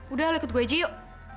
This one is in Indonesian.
udah lo ikut gue aja yuk